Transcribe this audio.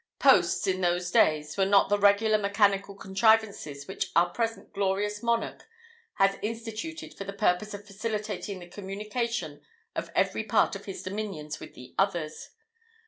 Posts, in those days, were not the regular mechanical contrivances which our present glorious monarch has instituted for the purpose of facilitating the communication of every part of his dominions with the others.